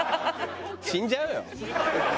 死んじゃうよ。